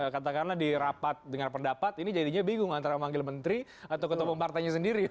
katakanlah dirapat dengan pendapat ini jadinya bingung antara memanggil menteri atau ketua partainya sendiri